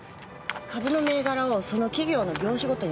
株の銘柄をその企業の業種ごとに分けたもの。